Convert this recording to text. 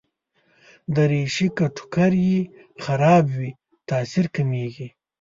دریشي که ټوکر يې خراب وي، تاثیر کمېږي.